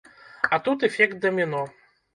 А тут эфект даміно.